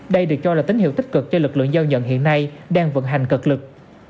đây được cho là tín hiệu tích cực cho lực lượng giao nhận hiện nay đang vận hành cực lực